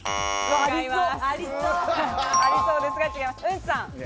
違います。